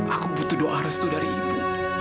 aku butuh doa restu dari ibu